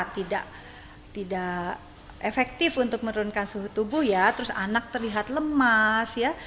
tidak efektif untuk menurunkan suhu tubuh ya terus anak terlihat lemas ya